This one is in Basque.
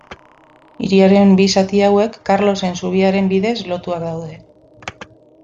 Hiriaren bi zati hauek, Karlosen Zubiaren bidez lotuak daude.